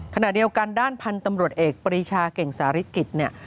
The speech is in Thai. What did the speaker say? ขณะเดียวกันด้านพันธุ์ตำรวจเอกปรีชาเก่งสาริกิจเนี่ย